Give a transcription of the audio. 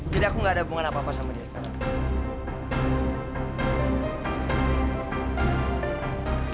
jadi aku gak ada hubungan apa apa sama dia sekarang